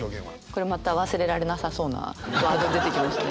これまた忘れられなさそうなワード出てきましたね。